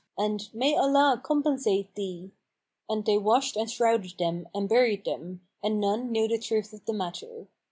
and "May Allah compensate thee!" And they washed and shrouded them and buried them, and none knew the truth of the matter.